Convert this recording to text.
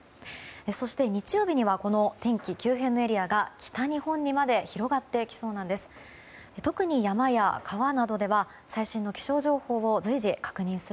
そして日曜日にはこの天気急変のエリアが北日本にまで広がってきそうなんです。